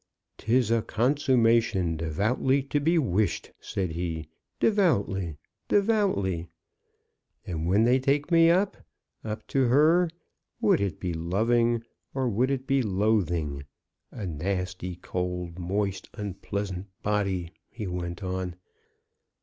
"'Tis a consummation devoutly to be wished," said he: " devoutly! devoutly! And when they take me up, up to her, would it be loving, or would it be loathing? A nasty, cold, moist, unpleasant body!" he went on.